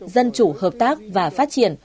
dân chủ hợp tác và phát triển